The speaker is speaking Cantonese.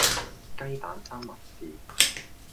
雞蛋三文治